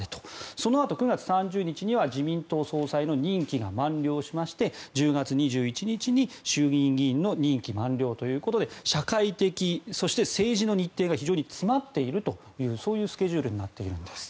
そのあと９月３０日には自民党総裁の任期が満了しまして１０月２１日に衆議院議員の任期満了ということで社会的、そして政治の日程が非常に詰まっているというそういうスケジュールになっているんです。